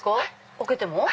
開けても。